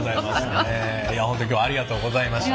本当に今日はありがとうございました。